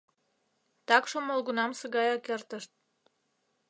Такшым молгунамсе гаяк эртышт.